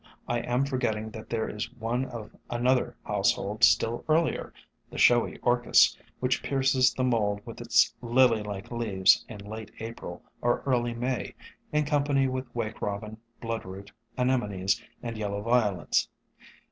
I am forgetting that there is one of another household still earlier, the Showy Orchis, which pierces the mold with its lily like leaves in late April or early May, in company with Wake Robin, Bloodroot, Anemones, and Yellow Violets.